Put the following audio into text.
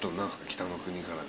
『北の国から』で。